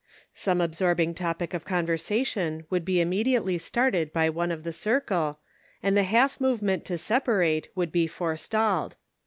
Some absorbing topic of conversation would be immediately started by one of the circle, and the half movement to separate would be forestalled.